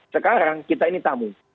sekarang kita ini tamu